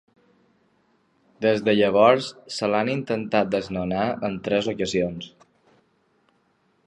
Des de llavors, se l’ha intentat desnonar en tres ocasions.